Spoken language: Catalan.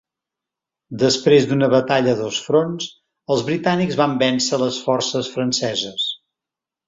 Després d'una batalla a dos fronts, els britànics van vèncer les forces franceses.